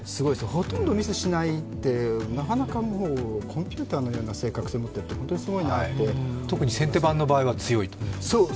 ほとんどミスしないってなかなかコンピューターのような正確性を持ってるって特に先手番は強いと。